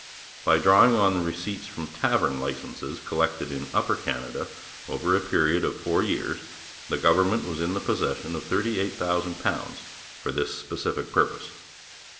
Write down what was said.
By drawing on the receipts from tavern licences collected in Upper Canada over a period of four years, the government was in the possession of £38,000 for this specific purpose.